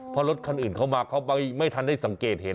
พอรถอื่นเข้ามาเข้าไปไม่ทันได้สังเกตเห็น